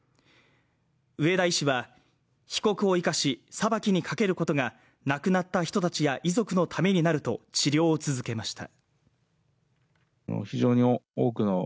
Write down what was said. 上田医師は、被告を生かし裁きにかけることが亡くなった人たちや遺族のためになると治療を続けました。